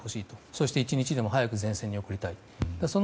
そして１日でも早く前線に送りたい。